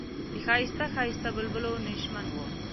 د ښایسته ښایسته بلبلو نشیمن و.